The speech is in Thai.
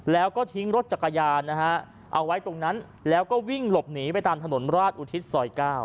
แล้วก็ทิ้งรถจักรยานนะฮะเอาไว้ตรงนั้นแล้วก็วิ่งหลบหนีไปตามถนนราชอุทิศซอย๙